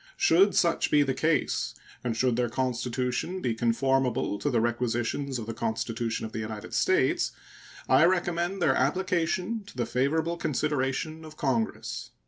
Should such be the case, and should their constitution be conformable to the requisitions of the Constitution of the United States, I recommend their application to the favorable consideration of Congress.